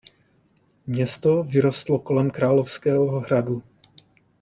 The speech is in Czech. Město vyrostlo kolem královského hradu.